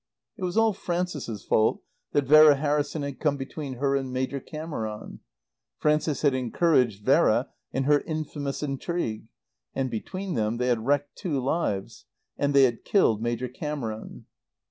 It was all Frances's fault that Vera Harrison had come between her and Major Cameron; Frances had encouraged Vera in her infamous intrigue; and between them they had wrecked two lives. And they had killed Major Cameron.